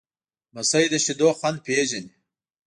لمسی د شیدو خوند پیژني.